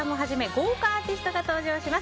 豪華アーティストが登場します。